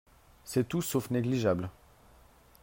C’est tout sauf négligeable